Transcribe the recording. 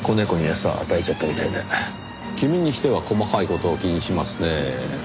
君にしては細かい事を気にしますねぇ。